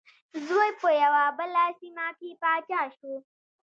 زوی په یوه بله سیمه کې پاچا شو.